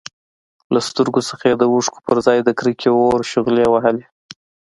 له سترګو څخه يې د اوښکو پرځای د کرکې اور شغلې وهلې.